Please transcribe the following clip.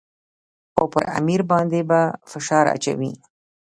خو پر امیر باندې به فشار اچوي.